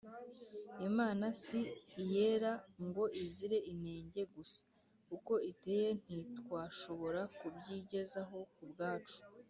Imana si Iyera ngo Izire inenge gusa (uko iteye ntitwashobora kubyigezaho ku bwacu)